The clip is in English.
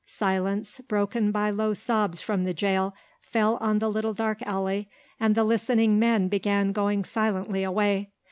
Silence, broken by low sobs from the jail, fell on the little dark alley and the listening men began going silently away.